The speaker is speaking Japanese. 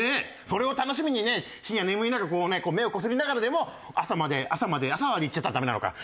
それを楽しみにね深夜眠い中こうね目をこすりながらでも朝まで朝まで朝までいっちゃったらダメなのか。